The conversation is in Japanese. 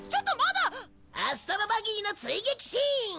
アストロバギーの追撃シーン！